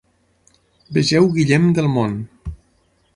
Vegeu guillem del món.